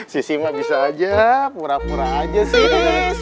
sisi mah bisa aja pura pura aja sih